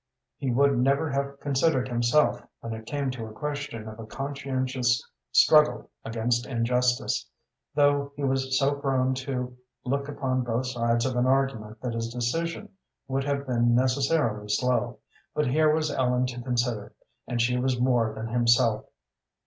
He would never have considered himself when it came to a question of a conscientious struggle against injustice, though he was so prone to look upon both sides of an argument that his decision would have been necessarily slow; but here was Ellen to consider, and she was more than himself.